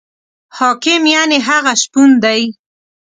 حاکم یعنې هغه شپون دی.